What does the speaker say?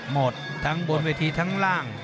หมดทั้งบนเวทีทั้งล่าง